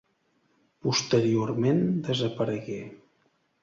Posteriorment desaparegué.